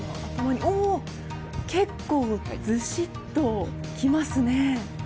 結構ずしっときますね。